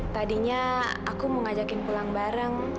tadinya aku mau ngajakin pulang bareng